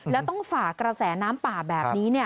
แล้วต้องฝากกระแสน้ำป่าแบบนี้